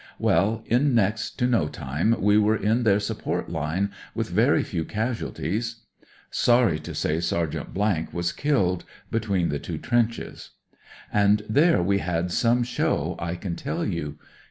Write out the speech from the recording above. "Well, in next to no time we were in their support line with very few casual ties. (Sorry to say Sergeant was killed between the two trenches.) And iHB ■I 150 NEWS FOR HOME O.C. COMPANY there we had some show, I can tell you.